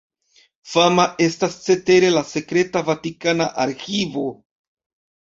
Fama estas cetere la sekreta vatikana arĥivo.